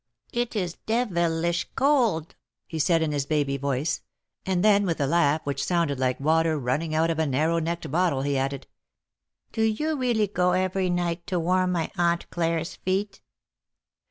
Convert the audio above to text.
'^It is devilish cold," he said, in his baby voice. And then with a laugh, which sounded like water running out of a narrow necked bottle, he added : '^Do you really go every night, to warm my Aunt Claire's feet?"